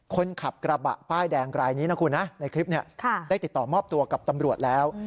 คนขับกระบะป้ายแดงรายนี้นะคุณนะในคลิปนี้ได้ติดต่อมอบตัวกับตำรวจแล้ว